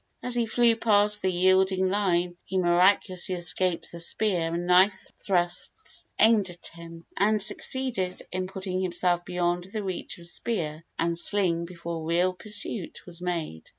As he flew past the yielding line he miraculously escaped the spear and knife thrusts aimed at him, and succeeded in putting himself beyond the reach of spear and sling before real pursuit was made.